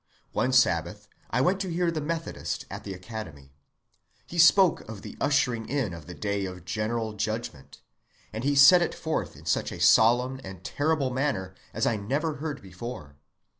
"One Sabbath, I went to hear the Methodist at the Academy. He spoke of the ushering in of the day of general judgment; and he set it forth in such a solemn and terrible manner as I never heard before.